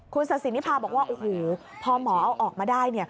คุณศาสินิพาบอกว่าโอ้โหพอหมอเอาออกมาได้